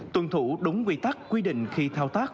tuân thủ đúng quy tắc quy định khi thao tác